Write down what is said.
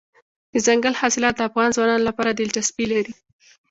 دځنګل حاصلات د افغان ځوانانو لپاره دلچسپي لري.